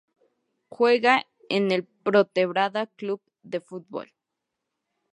Juega en el Pontevedra Club de Fútbol.